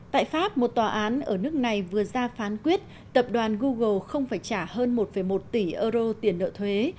tại pháp một tòa án ở nước này vừa ra phán quyết tập đoàn google không phải trả hơn một một tỷ euro tiền nợ thuế